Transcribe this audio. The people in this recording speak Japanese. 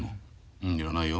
うんいらないよ。